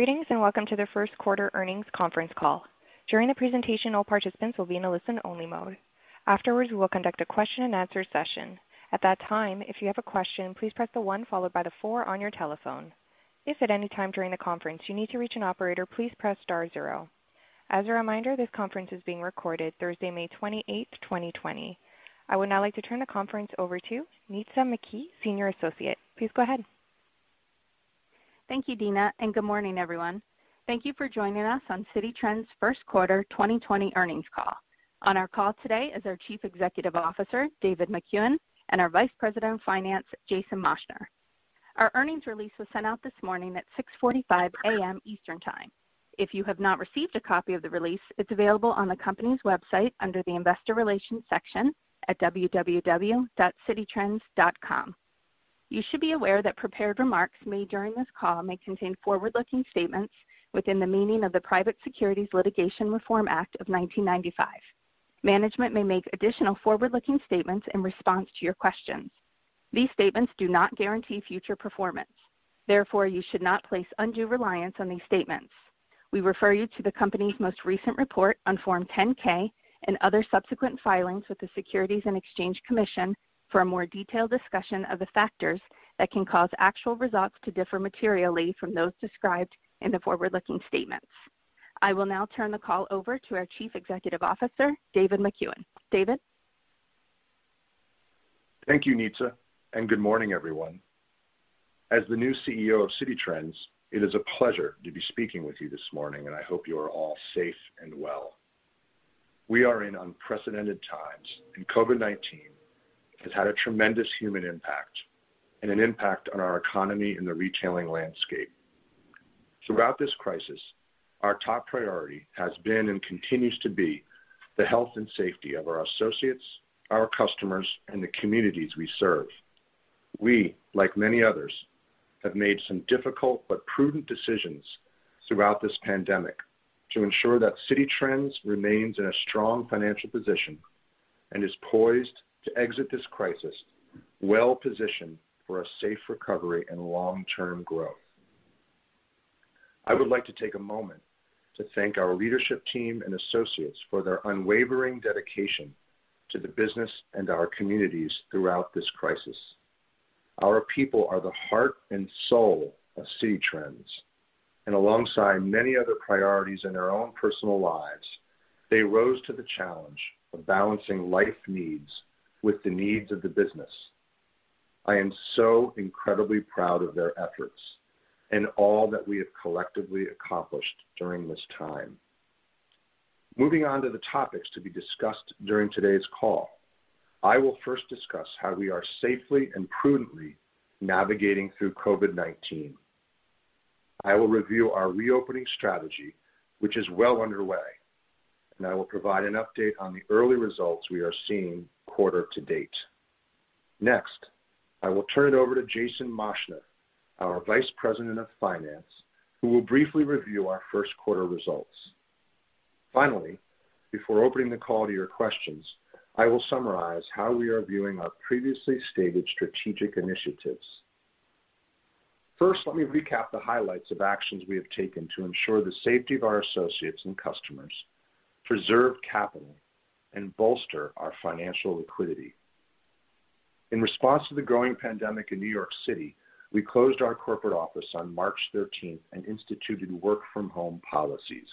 Greetings and welcome to the First Quarter Earnings conference call. During the presentation, all participants will be in a listen-only mode. Afterwards, we will conduct a Q&A session. At that time, if you have a question, please press the one followed by the four on your telephone. If at any time during the conference you need to reach an operator, please press star zero. As a reminder, this conference is being recorded Thursday, May 28th, 2020. I would now like to turn the conference over to Nitza McKee, Senior Associate. Please go ahead. Thank you, Dina, and good morning, everyone. Thank you for joining us on Citi Trends' First Quarter 2020 earnings call. On our call today is our Chief Executive Officer, David Makuen, and our Vice President of Finance, Jason Moschner. Our earnings release was sent out this morning at 6:45 A.M. Eastern Time. If you have not received a copy of the release, it is available on the company's website under the Investor Relations section at www.cititrends.com. You should be aware that prepared remarks made during this call may contain forward-looking statements within the meaning of the Private Securities Litigation Reform Act of 1995. Management may make additional forward-looking statements in response to your questions. These statements do not guarantee future performance. Therefore, you should not place undue reliance on these statements. We refer you to the company's most recent report on Form 10-K and other subsequent filings with the Securities and Exchange Commission for a more detailed discussion of the factors that can cause actual results to differ materially from those described in the forward-looking statements. I will now turn the call over to our Chief Executive Officer, David Makuen. David. Thank you, Nitza, and good morning, everyone. As the new CEO of Citi Trends, it is a pleasure to be speaking with you this morning, and I hope you are all safe and well. We are in unprecedented times, and COVID-19 has had a tremendous human impact and an impact on our economy and the retailing landscape. Throughout this crisis, our top priority has been and continues to be the health and safety of our associates, our customers, and the communities we serve. We, like many others, have made some difficult but prudent decisions throughout this pandemic to ensure that Citi Trends remains in a strong financial position and is poised to exit this crisis well-positioned for a safe recovery and long-term growth. I would like to take a moment to thank our leadership team and associates for their unwavering dedication to the business and our communities throughout this crisis. Our people are the heart and soul of Citi Trends, and alongside many other priorities in their own personal lives, they rose to the challenge of balancing life needs with the needs of the business. I am so incredibly proud of their efforts and all that we have collectively accomplished during this time. Moving on to the topics to be discussed during today's call, I will first discuss how we are safely and prudently navigating through COVID-19. I will review our reopening strategy, which is well underway, and I will provide an update on the early results we are seeing quarter to date. Next, I will turn it over to Jason Moschner, our Vice President of Finance, who will briefly review our first quarter results. Finally, before opening the call to your questions, I will summarize how we are viewing our previously stated strategic initiatives. First, let me recap the highlights of actions we have taken to ensure the safety of our associates and customers, preserve capital, and bolster our financial liquidity. In response to the growing pandemic in New York City, we closed our corporate office on March 13th and instituted work-from-home policies.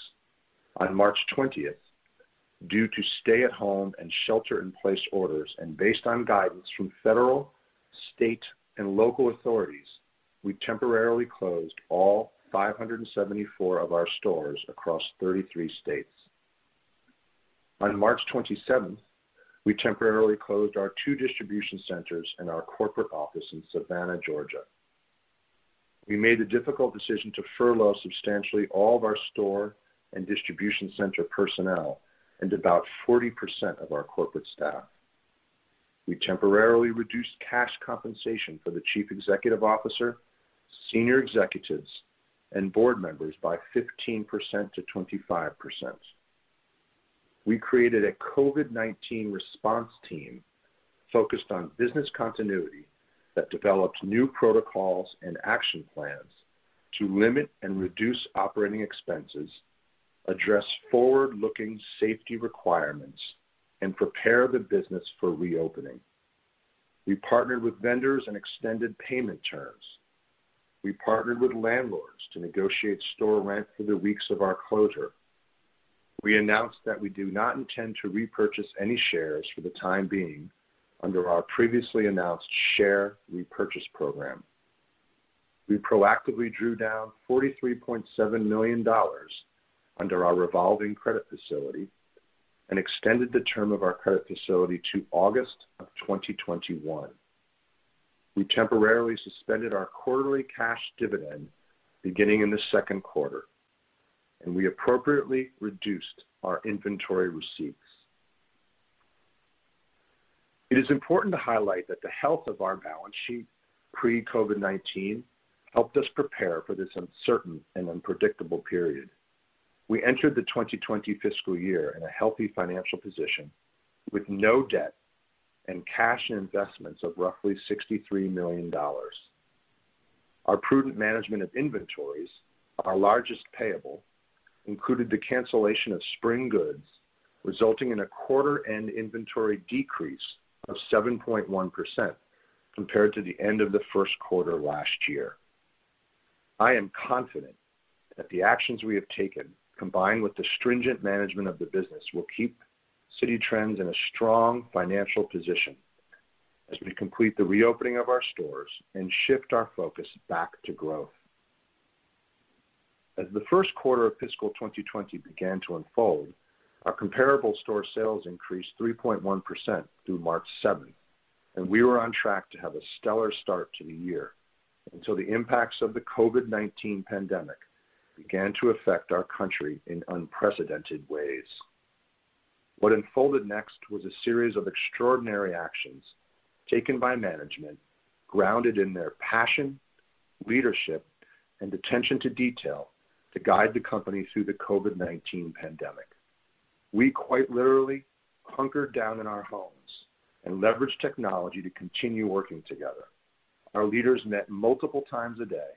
On March 20th, due to stay-at-home and shelter-in-place orders and based on guidance from federal, state, and local authorities, we temporarily closed all 574 of our stores across 33 states. On March 27, we temporarily closed our two distribution centers and our corporate office in Savannah, Georgia. We made the difficult decision to furlough substantially all of our store and distribution center personnel and about 40% of our corporate staff. We temporarily reduced cash compensation for the Chief Executive Officer, senior executives, and board members by 15%-25%. We created a COVID-19 response team focused on business continuity that developed new protocols and action plans to limit and reduce operating expenses, address forward-looking safety requirements, and prepare the business for reopening. We partnered with vendors and extended payment terms. We partnered with landlords to negotiate store rent for the weeks of our closure. We announced that we do not intend to repurchase any shares for the time being under our previously announced share repurchase program. We proactively drew down $43.7 million under our revolving credit facility and extended the term of our credit facility to August of 2021. We temporarily suspended our quarterly cash dividend beginning in the second quarter, and we appropriately reduced our inventory receipts. It is important to highlight that the health of our balance sheet pre-COVID-19 helped us prepare for this uncertain and unpredictable period. We entered the 2020 fiscal year in a healthy financial position with no debt and cash investments of roughly $63 million. Our prudent management of inventories, our largest payable, included the cancellation of spring goods, resulting in a quarter-end inventory decrease of 7.1% compared to the end of the first quarter last year. I am confident that the actions we have taken, combined with the stringent management of the business, will keep Citi Trends in a strong financial position as we complete the reopening of our stores and shift our focus back to growth. As the first quarter of fiscal 2020 began to unfold, our comparable store sales increased 3.1% through March 7th, and we were on track to have a stellar start to the year until the impacts of the COVID-19 pandemic began to affect our country in unprecedented ways. What unfolded next was a series of extraordinary actions taken by management grounded in their passion, leadership, and attention to detail to guide the company through the COVID-19 pandemic. We quite literally hunkered down in our homes and leveraged technology to continue working together. Our leaders met multiple times a day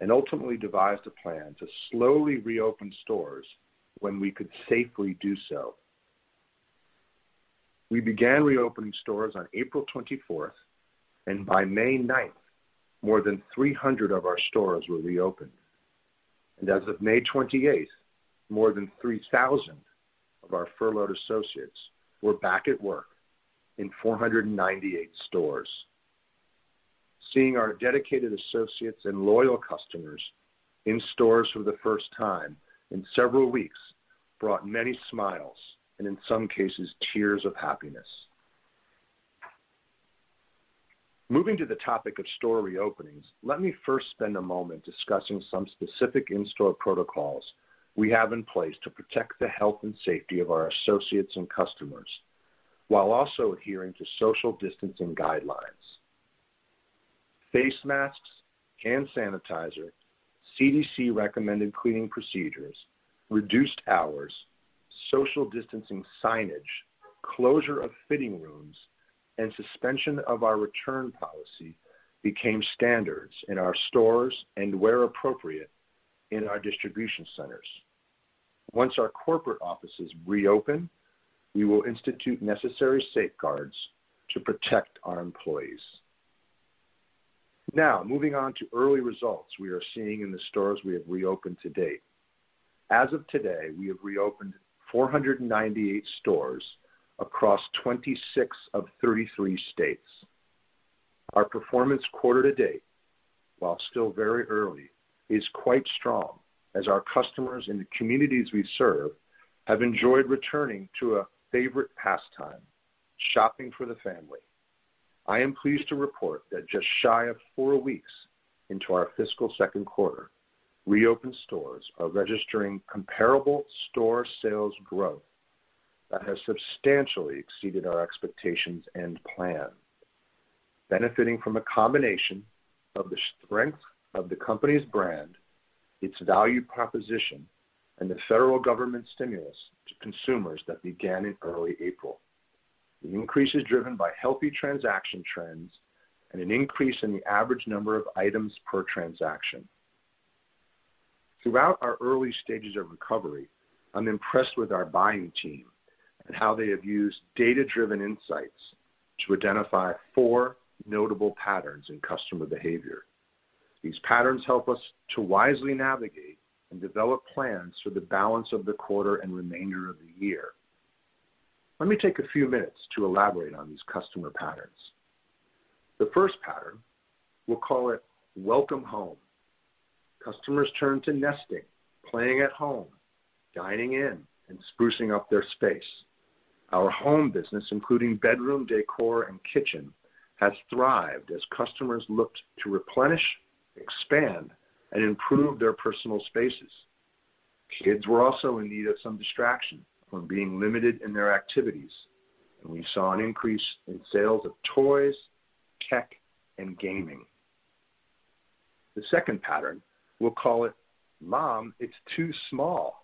and ultimately devised a plan to slowly reopen stores when we could safely do so. We began reopening stores on April 24th, and by May 9th, more than 300 of our stores were reopened. As of May 28, more than 3,000 of our furloughed associates were back at work in 498 stores. Seeing our dedicated associates and loyal customers in stores for the first time in several weeks brought many smiles and, in some cases, tears of happiness. Moving to the topic of store reopenings, let me first spend a moment discussing some specific in-store protocols we have in place to protect the health and safety of our associates and customers while also adhering to social distancing guidelines. Face masks, hand sanitizer, CDC-recommended cleaning procedures, reduced hours, social distancing signage, closure of fitting rooms, and suspension of our return policy became standards in our stores and, where appropriate, in our distribution centers. Once our corporate offices reopen, we will institute necessary safeguards to protect our employees. Now, moving on to early results we are seeing in the stores we have reopened to date. As of today, we have reopened 498 stores across 26 of 33 states. Our performance quarter to date, while still very early, is quite strong as our customers and the communities we serve have enjoyed returning to a favorite pastime, shopping for the family. I am pleased to report that just shy of four weeks into our fiscal second quarter, reopened stores are registering comparable store sales growth that has substantially exceeded our expectations and plan, benefiting from a combination of the strength of the company's brand, its value proposition, and the federal government stimulus to consumers that began in early April. The increase is driven by healthy transaction trends and an increase in the average number of items per transaction. Throughout our early stages of recovery, I'm impressed with our buying team and how they have used data-driven insights to identify four notable patterns in customer behavior. These patterns help us to wisely navigate and develop plans for the balance of the quarter and remainder of the year. Let me take a few minutes to elaborate on these customer patterns. The first pattern, we'll call it Welcome Home. Customers turned to nesting, playing at home, dining in, and sprucing up their space. Our home business, including bedroom decor and kitchen, has thrived as customers looked to replenish, expand, and improve their personal spaces. Kids were also in need of some distraction from being limited in their activities, and we saw an increase in sales of toys, tech, and gaming. The second pattern, we'll call it Mom, It's Too Small.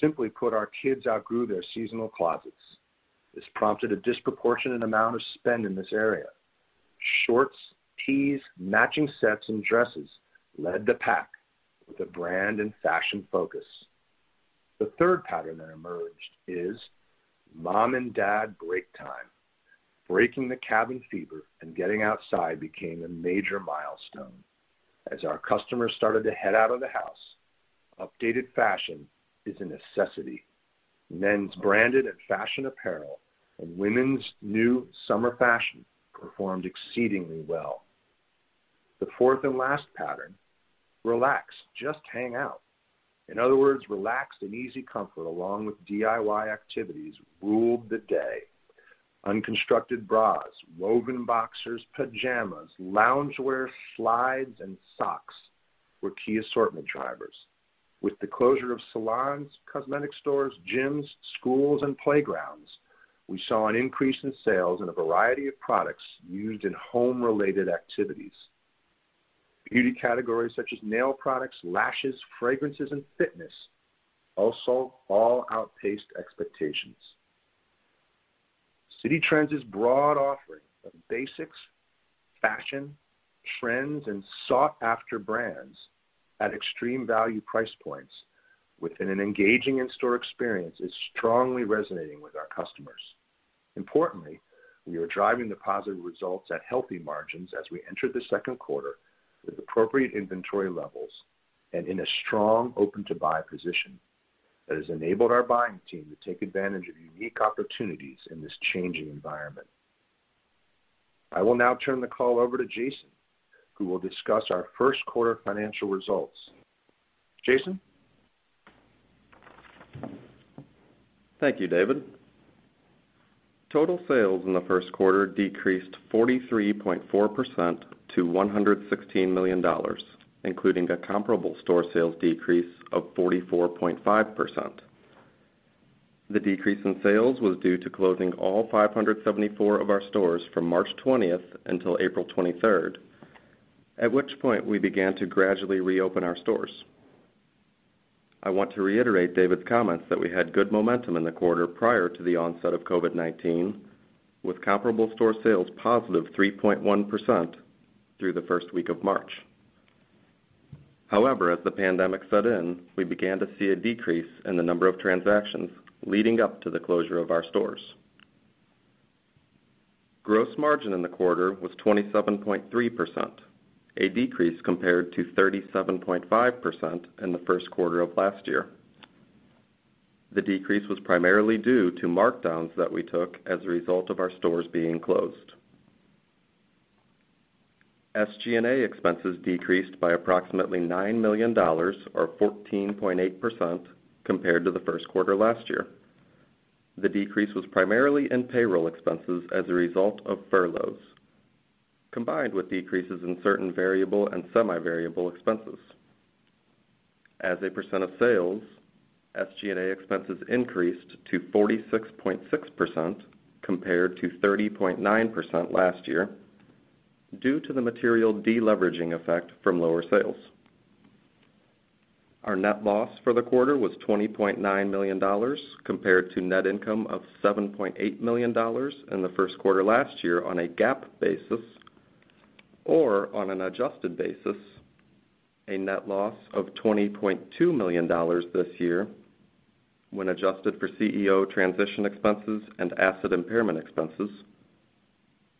Simply put, our kids outgrew their seasonal closets. This prompted a disproportionate amount of spend in this area. Shorts, tees, matching sets, and dresses led the pack with a brand and fashion focus. The third pattern that emerged is Mom and Dad Break Time. Breaking the cabin fever and getting outside became a major milestone. As our customers started to head out of the house, updated fashion is a necessity. Men's branded and fashion apparel and women's new summer fashion performed exceedingly well. The fourth and last pattern, Relax, Just Hang Out. In other words, relaxed and easy comfort along with DIY activities ruled the day. Unconstructed bras, woven boxers, pajamas, loungewear, slides, and socks were key assortment drivers. With the closure of salons, cosmetic stores, gyms, schools, and playgrounds, we saw an increase in sales in a variety of products used in home-related activities. Beauty categories such as nail products, lashes, fragrances, and fitness also all outpaced expectations. Citi Trends' broad offering of basics, fashion, trends, and sought-after brands at extreme value price points within an engaging in-store experience is strongly resonating with our customers. Importantly, we are driving the positive results at healthy margins as we enter the second quarter with appropriate inventory levels and in a strong open-to-buy position that has enabled our buying team to take advantage of unique opportunities in this changing environment. I will now turn the call over to Jason, who will discuss our first quarter financial results. Jason? Thank you, David. Total sales in the first quarter decreased 43.4% to $116 million, including a comparable store sales decrease of 44.5%. The decrease in sales was due to closing all 574 of our stores from March 20th until April 23rd, at which point we began to gradually reopen our stores. I want to reiterate David's comments that we had good momentum in the quarter prior to the onset of COVID-19, with comparable store sales positive 3.1% through the first week of March. However, as the pandemic set in, we began to see a decrease in the number of transactions leading up to the closure of our stores. Gross margin in the quarter was 27.3%, a decrease compared to 37.5% in the first quarter of last year. The decrease was primarily due to markdowns that we took as a result of our stores being closed. SG&A expenses decreased by approximately $9 million, or 14.8%, compared to the first quarter last year. The decrease was primarily in payroll expenses as a result of furloughs, combined with decreases in certain variable and semi-variable expenses. As a percent of sales, SG&A expenses increased to 46.6% compared to 30.9% last year due to the material deleveraging effect from lower sales. Our net loss for the quarter was $20.9 million compared to net income of $7.8 million in the first quarter last year on a GAAP basis or on an adjusted basis, a net loss of $20.2 million this year when adjusted for CEO transition expenses and asset impairment expenses,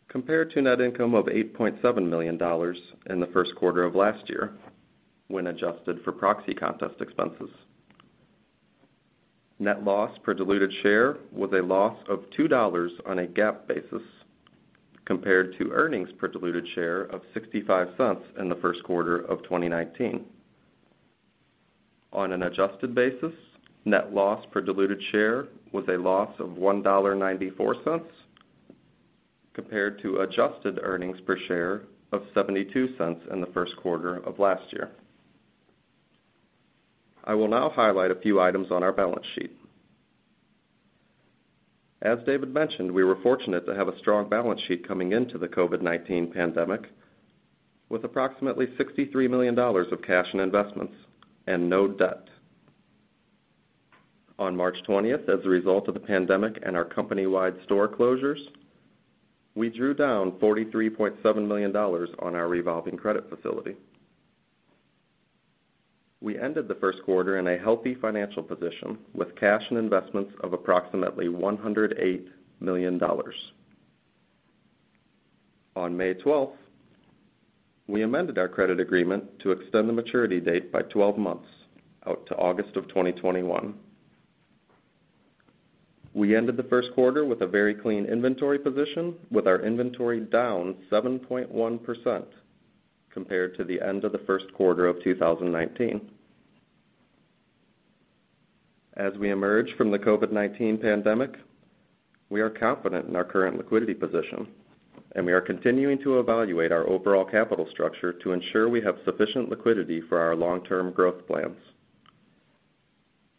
compared to net income of $8.7 million in the first quarter of last year when adjusted for proxy contest expenses. Net loss per diluted share was a loss of $2 on a GAAP basis compared to earnings per diluted share of $0.65 in the first quarter of 2019. On an adjusted basis, net loss per diluted share was a loss of $1.94 compared to adjusted earnings per share of $0.72 in the first quarter of last year. I will now highlight a few items on our balance sheet. As David mentioned, we were fortunate to have a strong balance sheet coming into the COVID-19 pandemic with approximately $63 million of cash and investments and no debt. On March 20, as a result of the pandemic and our company-wide store closures, we drew down $43.7 million on our revolving credit facility. We ended the first quarter in a healthy financial position with cash and investments of approximately $108 million. On May 12th, we amended our credit agreement to extend the maturity date by 12 months out to August of 2021. We ended the first quarter with a very clean inventory position with our inventory down 7.1% compared to the end of the first quarter of 2019. As we emerge from the COVID-19 pandemic, we are confident in our current liquidity position, and we are continuing to evaluate our overall capital structure to ensure we have sufficient liquidity for our long-term growth plans.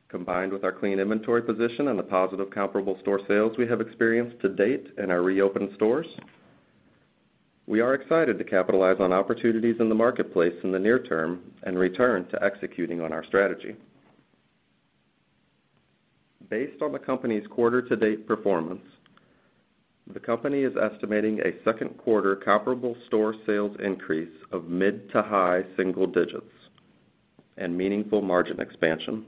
Combined with our clean inventory position and the positive comparable store sales we have experienced to date in our reopened stores, we are excited to capitalize on opportunities in the marketplace in the near term and return to executing on our strategy. Based on the company's quarter-to-date performance, the company is estimating a second quarter comparable store sales increase of mid to high single digits and meaningful margin expansion.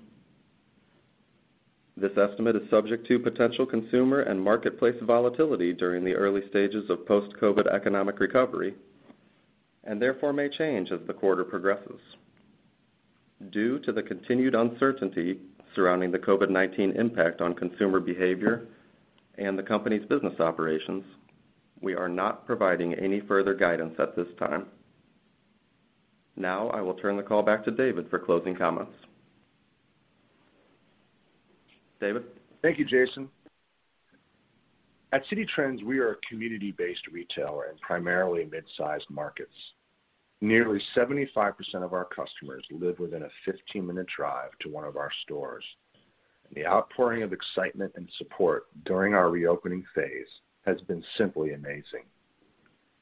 This estimate is subject to potential consumer and marketplace volatility during the early stages of post-COVID economic recovery and therefore may change as the quarter progresses. Due to the continued uncertainty surrounding the COVID-19 impact on consumer behavior and the company's business operations, we are not providing any further guidance at this time. Now, I will turn the call back to David for closing comments. David? Thank you, Jason. At Citi Trends, we are a community-based retailer in primarily midsize markets. Nearly 75% of our customers live within a 15 minute drive to one of our stores, and the outpouring of excitement and support during our reopening phase has been simply amazing.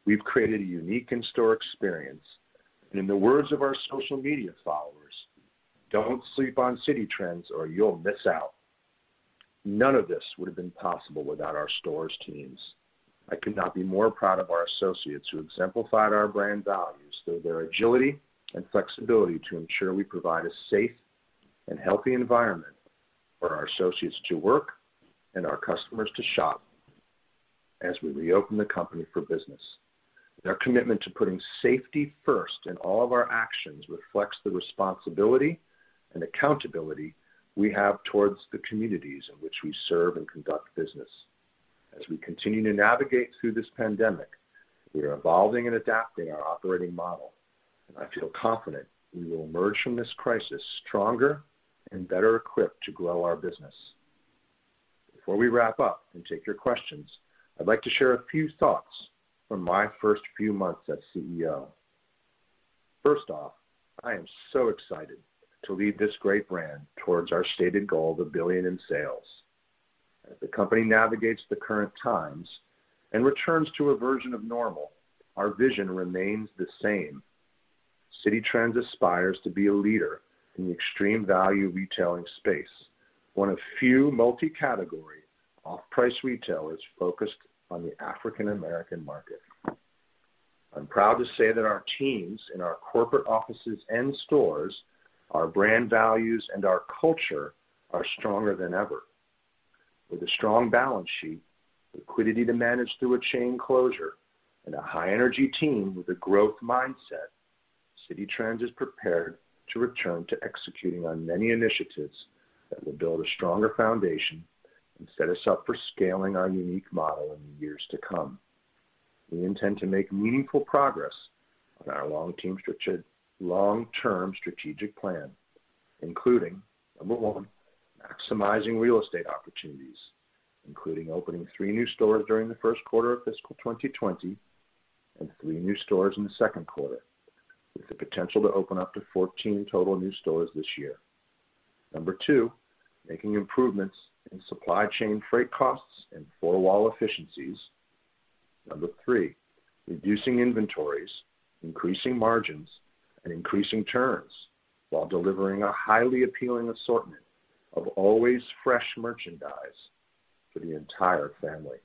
We've created a unique in-store experience, and in the words of our social media followers, "Don't sleep on Citi Trends or you'll miss out." None of this would have been possible without our stores' teams. I could not be more proud of our associates who exemplified our brand values through their agility and flexibility to ensure we provide a safe and healthy environment for our associates to work and our customers to shop as we reopen the company for business. Their commitment to putting safety first in all of our actions reflects the responsibility and accountability we have towards the communities in which we serve and conduct business. As we continue to navigate through this pandemic, we are evolving and adapting our operating model, and I feel confident we will emerge from this crisis stronger and better equipped to grow our business. Before we wrap up and take your questions, I'd like to share a few thoughts from my first few months as CEO. First off, I am so excited to lead this great brand towards our stated goal of a billion in sales. As the company navigates the current times and returns to a version of normal, our vision remains the same. Citi Trends aspires to be a leader in the extreme value retailing space, one of few multi-category off-price retailers focused on the African American market. I'm proud to say that our teams in our corporate offices and stores, our brand values, and our culture are stronger than ever. With a strong balance sheet, liquidity to manage through a chain closure, and a high-energy team with a growth mindset, Citi Trends is prepared to return to executing on many initiatives that will build a stronger foundation and set us up for scaling our unique model in the years to come. We intend to make meaningful progress on our long-term strategic plan, including, number one, maximizing real estate opportunities, including opening three new stores during the first quarter of fiscal 2020 and three new stores in the second quarter, with the potential to open up to 14 total new stores this year. Number two, making improvements in supply chain freight costs and four-wall efficiencies. Number three, reducing inventories, increasing margins, and increasing turns while delivering a highly appealing assortment of always fresh merchandise for the entire family.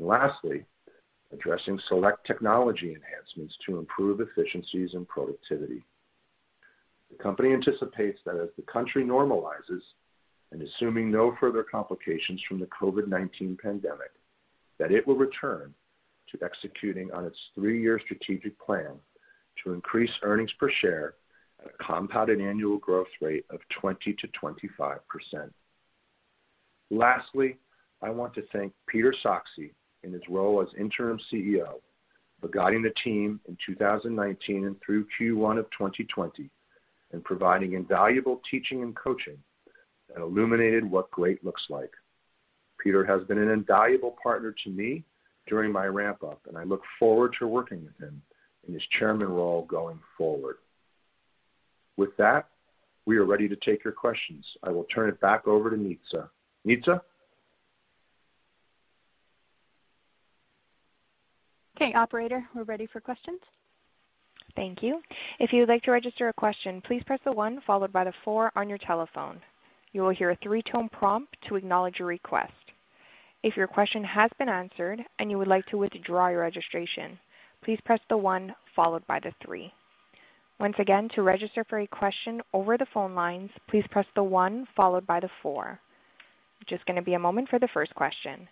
Lastly, addressing select technology enhancements to improve efficiencies and productivity. The company anticipates that as the country normalizes and assuming no further complications from the COVID-19 pandemic, it will return to executing on its three-year strategic plan to increase earnings per share at a compounded annual growth rate of 20-25%. Lastly, I want to thank Peter Saxby in his role as interim CEO for guiding the team in 2019 and through Q1 of 2020 and providing invaluable teaching and coaching that illuminated what great looks like. Peter has been an invaluable partner to me during my ramp-up, and I look forward to working with him in his chairman role going forward. With that, we are ready to take your questions. I will turn it back over to Nitza. Nitza? Okay, Operator, we're ready for questions. Thank you. If you'd like to register a question, please press the one followed by the four on your telephone. You will hear a three-tone prompt to acknowledge your request. If your question has been answered and you would like to withdraw your registration, please press the one followed by the three. Once again, to register for a question over the phone lines, please press the one followed by the four. Just going to be a moment for the first question.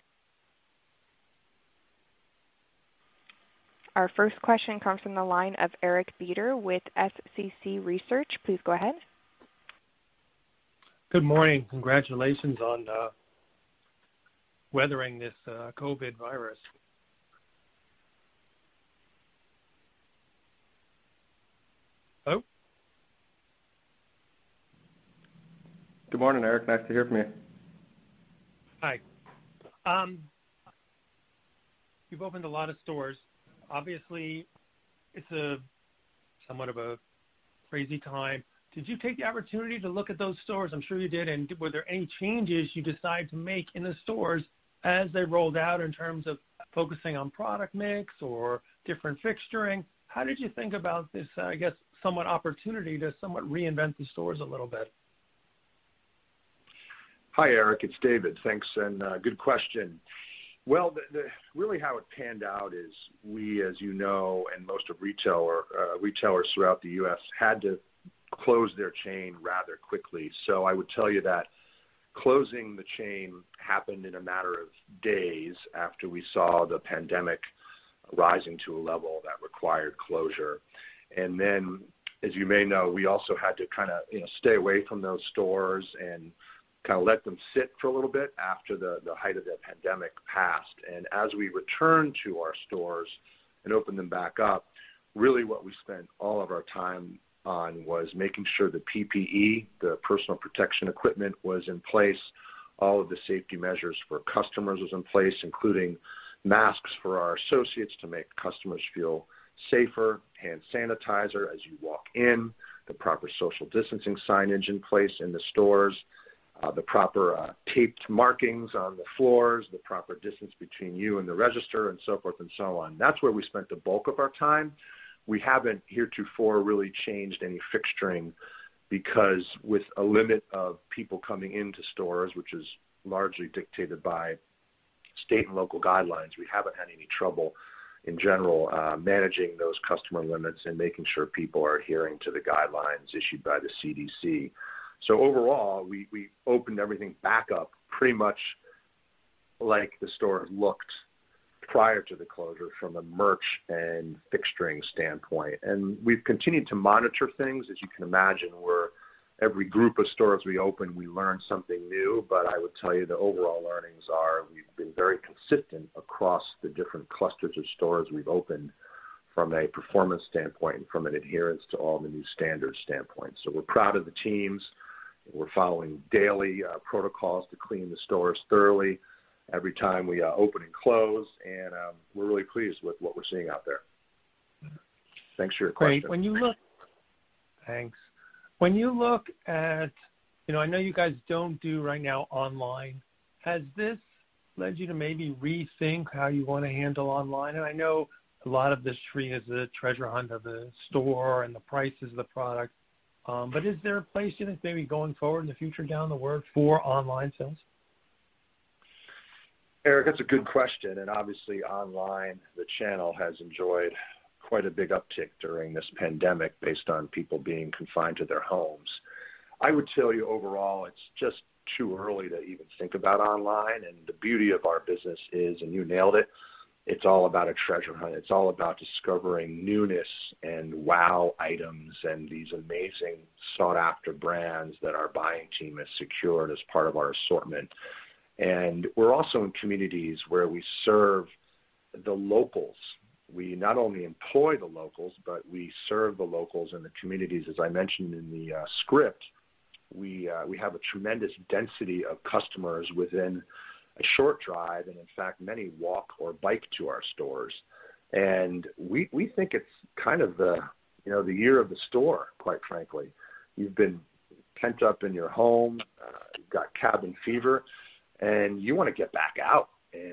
Our first question comes from the line of Eric Beder with SCC Research. Please go ahead. Good morning. Congratulations on weathering this COVID virus. Hello? Good morning, Eric. Nice to hear from you. Hi. You've opened a lot of stores. Obviously, it's somewhat of a crazy time. Did you take the opportunity to look at those stores? I'm sure you did. Were there any changes you decided to make in the stores as they rolled out in terms of focusing on product mix or different fixturing? How did you think about this, I guess, somewhat opportunity to somewhat reinvent the stores a little bit? Hi, Eric. It's David. Thanks. Good question. Really how it panned out is we, as you know, and most of retailers throughout the U.S. had to close their chain rather quickly. I would tell you that closing the chain happened in a matter of days after we saw the pandemic rising to a level that required closure. As you may know, we also had to kind of stay away from those stores and let them sit for a little bit after the height of the pandemic passed. As we returned to our stores and opened them back up, really what we spent all of our time on was making sure the PPE, the personal protective equipment, was in place. All of the safety measures for customers were in place, including masks for our associates to make customers feel safer, hand sanitizer as you walk in, the proper social distancing signage in place in the stores, the proper taped markings on the floors, the proper distance between you and the register, and so forth and so on. That's where we spent the bulk of our time. We haven't heretofore really changed any fixturing because with a limit of people coming into stores, which is largely dictated by state and local guidelines, we haven't had any trouble in general managing those customer limits and making sure people are adhering to the guidelines issued by the CDC. Overall, we opened everything back up pretty much like the stores looked prior to the closure from a merch and fixturing standpoint. We have continued to monitor things. As you can imagine, every group of stores we open, we learn something new. I would tell you the overall learnings are we've been very consistent across the different clusters of stores we've opened from a performance standpoint and from an adherence to all the new standards standpoint. We're proud of the teams. We're following daily protocols to clean the stores thoroughly every time we open and close. We're really pleased with what we're seeing out there. Thanks for your question. Great. When you look, thanks. When you look at, I know you guys do not do right now online. Has this led you to maybe rethink how you want to handle online? I know a lot of this stream is the treasure hunt of the store and the prices of the product. Is there a place you think maybe going forward in the future down the road for online sales? Eric, that's a good question. Obviously, online, the channel has enjoyed quite a big uptick during this pandemic based on people being confined to their homes. I would tell you overall, it's just too early to even think about online. The beauty of our business is, you nailed it, it's all about a treasure hunt. It's all about discovering newness and wow items and these amazing sought-after brands that our buying team has secured as part of our assortment. We're also in communities where we serve the locals. We not only employ the locals, but we serve the locals in the communities. As I mentioned in the script, we have a tremendous density of customers within a short drive and, in fact, many walk or bike to our stores. We think it's kind of the year of the store, quite frankly. You've been pent up in your home, you've got cabin fever, and you want to get back out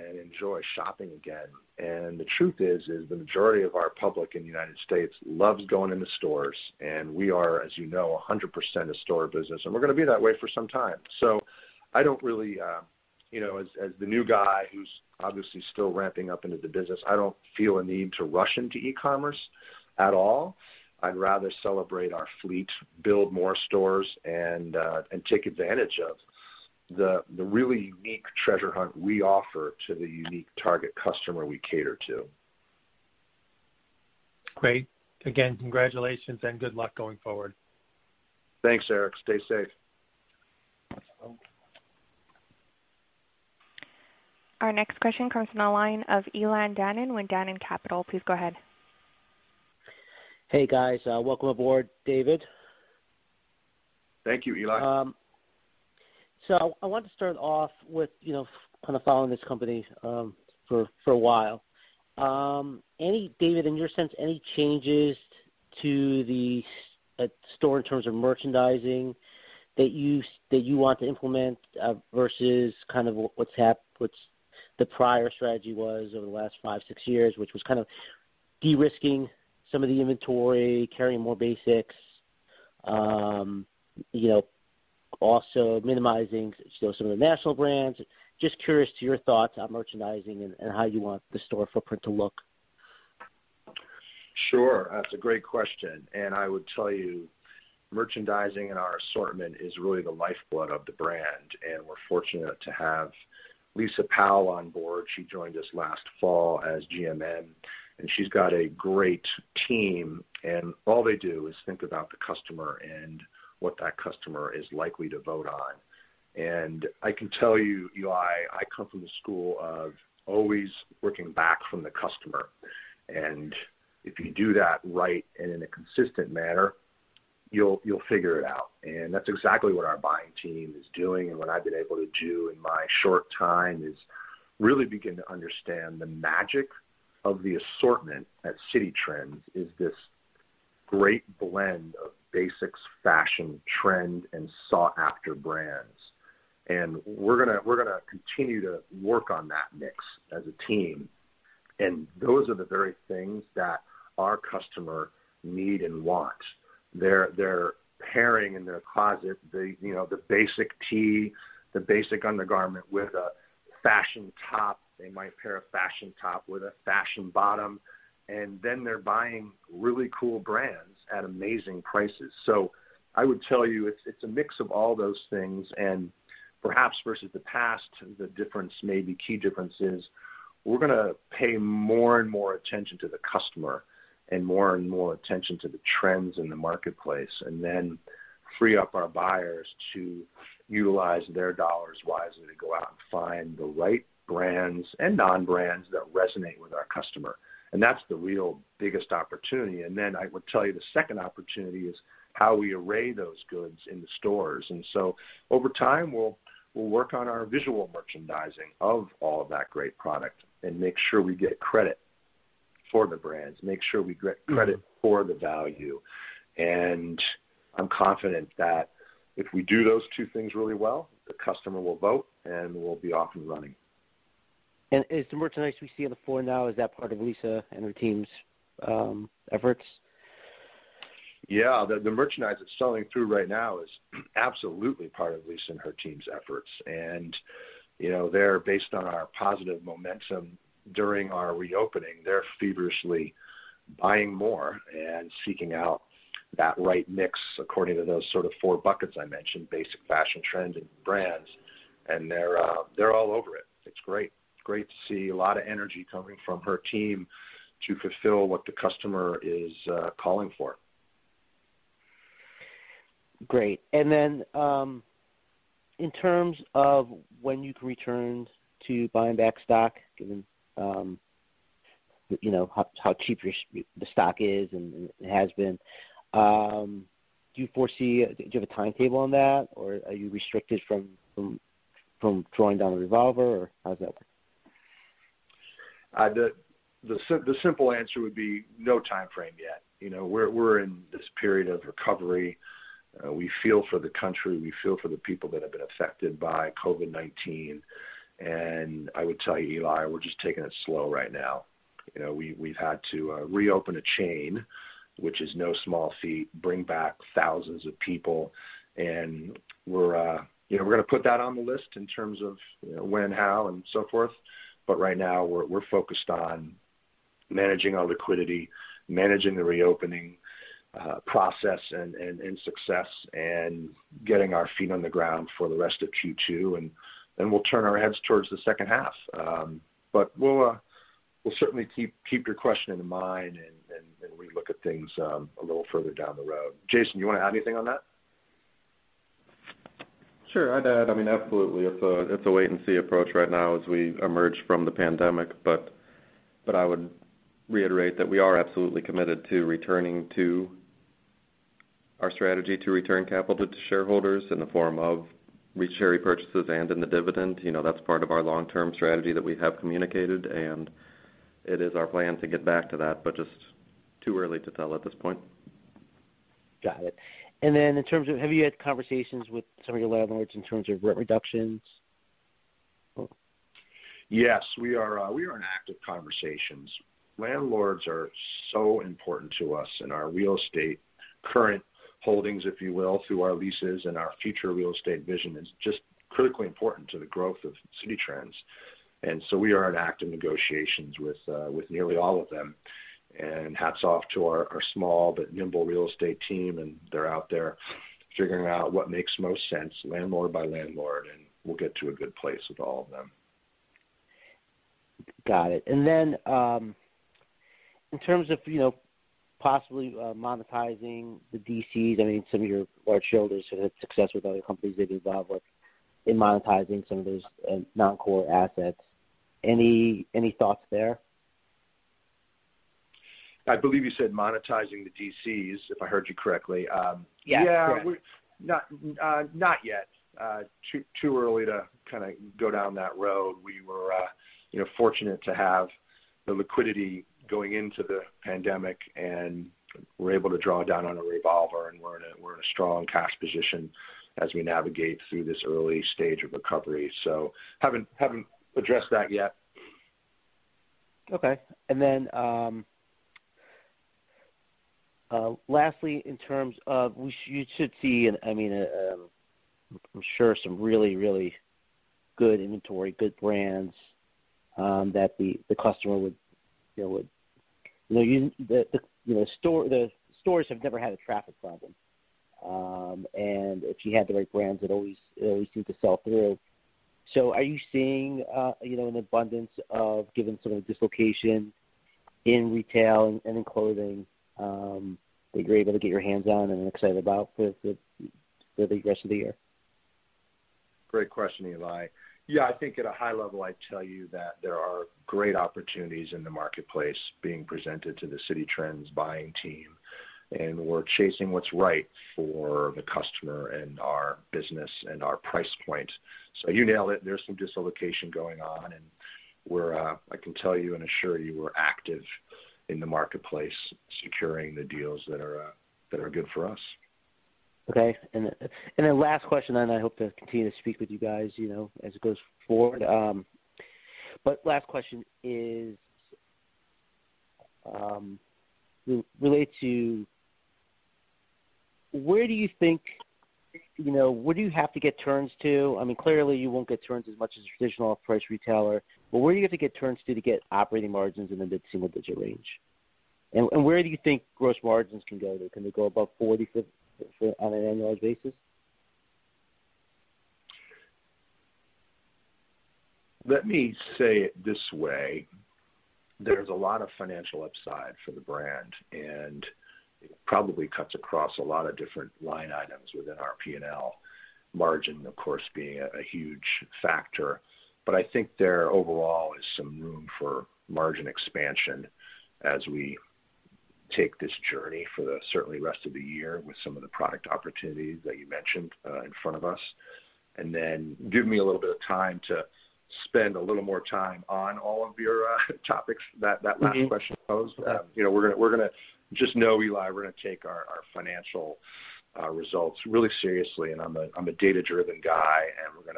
and enjoy shopping again. The truth is, the majority of our public in the U.S. loves going into stores. We are, as you know, 100% a store business. We're going to be that way for some time. I don't really, as the new guy who's obviously still ramping up into the business, I don't feel a need to rush into e-commerce at all. I'd rather celebrate our fleet, build more stores, and take advantage of the really unique treasure hunt we offer to the unique target customer we cater to. Great. Again, congratulations and good luck going forward. Thanks, Eric. Stay safe. Our next question comes from the line of Eli Danone with Danone Capital. Please go ahead. Hey, guys. Welcome aboard, David. Thank you, Eli. I want to start off with kind of following this company for a while. David, in your sense, any changes to the store in terms of merchandising that you want to implement versus kind of what the prior strategy was over the last five, six years, which was kind of de-risking some of the inventory, carrying more basics, also minimizing some of the national brands? Just curious to your thoughts on merchandising and how you want the store footprint to look. Sure. That's a great question. I would tell you merchandising in our assortment is really the lifeblood of the brand. We're fortunate to have Liza Powell on board. She joined us last fall as GMM. She's got a great team. All they do is think about the customer and what that customer is likely to vote on. I can tell you, Eli, I come from the school of always looking back from the customer. If you do that right and in a consistent manner, you'll figure it out. That's exactly what our buying team is doing. What I've been able to do in my short time is really begin to understand the magic of the assortment at Citi Trends is this great blend of basics, fashion, trend, and sought-after brands. We are going to continue to work on that mix as a team. Those are the very things that our customers need and want. They are pairing in their closet the basic tee, the basic undergarment with a fashion top. They might pair a fashion top with a fashion bottom. They are buying really cool brands at amazing prices. I would tell you it is a mix of all those things. Perhaps versus the past, the difference, maybe key difference is we are going to pay more and more attention to the customer and more and more attention to the trends in the marketplace and then free up our buyers to utilize their dollars wisely to go out and find the right brands and non-brands that resonate with our customer. That is the real biggest opportunity. I would tell you the second opportunity is how we array those goods in the stores. Over time, we'll work on our visual merchandising of all of that great product and make sure we get credit for the brands, make sure we get credit for the value. I'm confident that if we do those two things really well, the customer will vote and we'll be off and running. Is the merchandise we see on the floor now, is that part of Liza and her team's efforts? Yeah. The merchandise that's selling through right now is absolutely part of Liza and her team's efforts. They're based on our positive momentum during our reopening. They're feverishly buying more and seeking out that right mix according to those sort of four buckets I mentioned, basic, fashion, trend, and brands. They're all over it. It's great. Great to see a lot of energy coming from her team to fulfill what the customer is calling for. Great. In terms of when you can return to buying back stock, given how cheap the stock is and has been, do you foresee, do you have a timetable on that, or are you restricted from throwing down a revolver, or how does that work? The simple answer would be no timeframe yet. We're in this period of recovery. We feel for the country. We feel for the people that have been affected by COVID-19. I would tell you, Eli, we're just taking it slow right now. We've had to reopen a chain, which is no small feat, bring back thousands of people. We're going to put that on the list in terms of when, how, and so forth. Right now, we're focused on managing our liquidity, managing the reopening process and success, and getting our feet on the ground for the rest of Q2. We will turn our heads towards the second half. We'll certainly keep your question in mind and relook at things a little further down the road. Jason, you want to add anything on that? Sure. I'd add, I mean, absolutely. It's a wait-and-see approach right now as we emerge from the pandemic. I would reiterate that we are absolutely committed to returning to our strategy to return capital to shareholders in the form of share repurchases and in the dividend. That's part of our long-term strategy that we have communicated. It is our plan to get back to that, but just too early to tell at this point. Got it. In terms of have you had conversations with some of your landlords in terms of rent reductions? Yes. We are in active conversations. Landlords are so important to us in our real estate current holdings, if you will, through our leases and our future real estate vision is just critically important to the growth of Citi Trends. We are in active negotiations with nearly all of them. Hats off to our small but nimble real estate team. They are out there figuring out what makes most sense, landlord by landlord. We will get to a good place with all of them. Got it. In terms of possibly monetizing the DCs, I mean, some of your large shareholders have had success with other companies they've been involved with in monetizing some of those non-core assets. Any thoughts there? I believe you said monetizing the DCs, if I heard you correctly. Yeah. Yeah. Not yet. Too early to kind of go down that road. We were fortunate to have the liquidity going into the pandemic and were able to draw down on a revolver. We're in a strong cash position as we navigate through this early stage of recovery. Haven't addressed that yet. Okay. Lastly, in terms of you should see, I mean, I'm sure some really, really good inventory, good brands that the customer would, the stores have never had a traffic problem. If you had the right brands, it always seemed to sell through. Are you seeing an abundance of, given some of the dislocation in retail and in clothing, that you're able to get your hands on and excited about for the rest of the year? Great question, Eli. Yeah. I think at a high level, I'd tell you that there are great opportunities in the marketplace being presented to the Citi Trends buying team. We're chasing what's right for the customer and our business and our price point. You nailed it. There's some dislocation going on. I can tell you and assure you we're active in the marketplace securing the deals that are good for us. Okay. Last question is related to where do you think, where do you have to get turns to? I mean, clearly, you won't get turns as much as a traditional price retailer. Where do you have to get turns to to get operating margins in the mid to mid-digit range? Where do you think gross margins can go? Can they go above 40% on an annualized basis? Let me say it this way. There is a lot of financial upside for the brand. It probably cuts across a lot of different line items within our P&L, margin, of course, being a huge factor. I think there overall is some room for margin expansion as we take this journey for the certainly rest of the year with some of the product opportunities that you mentioned in front of us. Give me a little bit of time to spend a little more time on all of your topics, that last question posed. We are going to just know, Eli, we are going to take our financial results really seriously. I am a data-driven guy. We're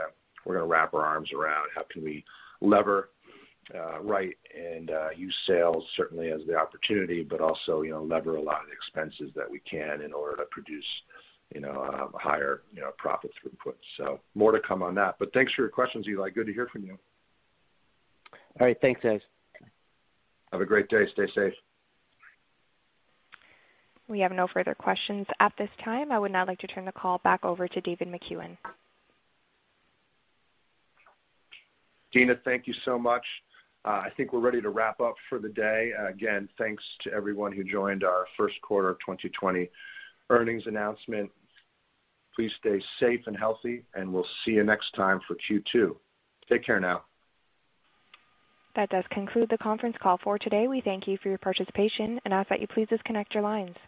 going to wrap our arms around how can we lever right and use sales certainly as the opportunity, but also lever a lot of the expenses that we can in order to produce a higher profit throughput. More to come on that. Thanks for your questions, Eli. Good to hear from you. All right. Thanks, guys. Have a great day. Stay safe. We have no further questions at this time. I would now like to turn the call back over to David Makuen. Gina, thank you so much. I think we're ready to wrap up for the day. Again, thanks to everyone who joined our first quarter of 2020 earnings announcement. Please stay safe and healthy. We'll see you next time for Q2. Take care now. That does conclude the conference call for today. We thank you for your participation and ask that you please disconnect your lines.